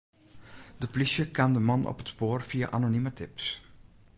De plysje kaam de man op it spoar fia anonime tips.